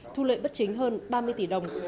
thu lợi bất chính hơn ba mươi tỷ đồng